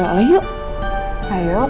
kamu temenin toto berdialoh dialoh yuk